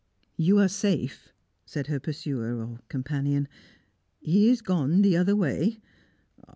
"You are safe," said her pursuer, or companion. "He is gone the other way.